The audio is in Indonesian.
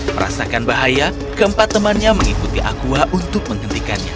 merasakan bahaya keempat temannya mengikuti aqua untuk menghentikannya